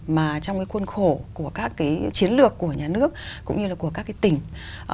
mà trong cái khuôn khổ của các cái chiến lược của nhà nước cũng như là của các cái tỉnh